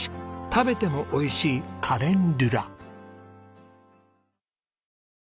食べても美味しいカレンデュラ。